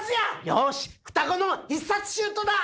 よし双子の必殺シュートだ！